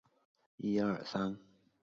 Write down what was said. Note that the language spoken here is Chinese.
刘聪墓在山西省临汾市西南十一里。